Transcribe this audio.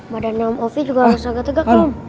madanya om ovi juga harus agak tegak om